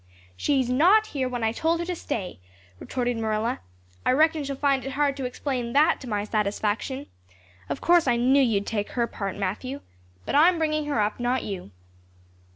"She's not here when I told her to stay," retorted Marilla. "I reckon she'll find it hard to explain that to my satisfaction. Of course I knew you'd take her part, Matthew. But I'm bringing her up, not you."